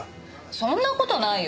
そんな事ないよ。